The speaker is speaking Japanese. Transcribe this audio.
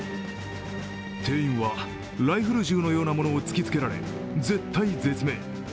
店員は、ライフル銃のようなものを突きつけられ、絶体絶命。